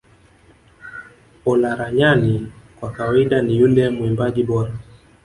Olaranyani kwa kawaida ni yule mwimbaji bora